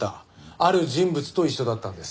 ある人物と一緒だったんです。